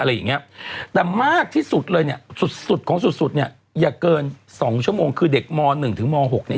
เด็กมาต้นก็จะอยากประมาณ